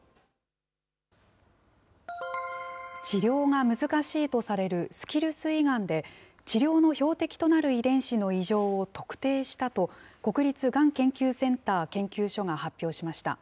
治療が難しいとされるスキルス胃がんで、治療の標的となる遺伝子の異常を特定したと、国立がん研究センター研究所が発表しました。